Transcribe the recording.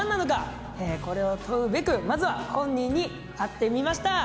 これを問うべくまずは本人に会ってみました。